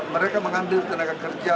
mereka mengambil tenaga kerja